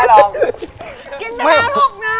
กินหน้าหกนาง